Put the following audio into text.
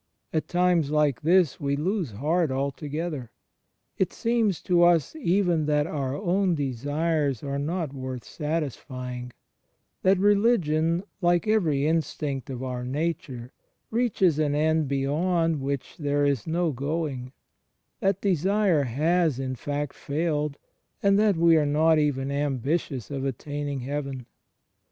At times like this we lose heart altogether. It seems to us even that our own desires are not worth satisfying; that religion, like every instinct of our nature, reaches an end beyond which there is no going; that desire has, in fact, failed, and that we are not even ambitious of attaining heaven.